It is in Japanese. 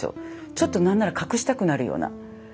ちょっと何なら隠したくなるような。